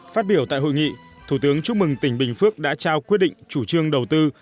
phát biểu tại hội nghị thủ tướng chúc mừng tỉnh bình phước đã trao quyết định chủ trương đầu tư